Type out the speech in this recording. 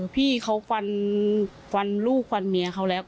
พี่เขาฟันฟันลูกฟันเมียเขาแล้ว